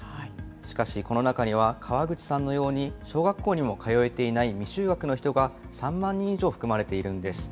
しかしこの中には、川口さんのように小学校にも通えていない未就学の人が３万人以上含まれているんです。